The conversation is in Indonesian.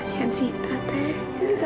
siapa pakai pasa mama ya